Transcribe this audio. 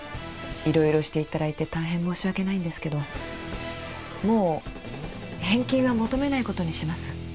色々していただいて大変申し訳ないんですけどもう返金は求めないことにします